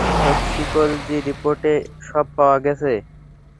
Toxicology রিপোর্টে সব পাওয়া গেছে।